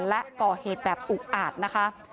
และก่อเหตุแบบอุอาจนะคะ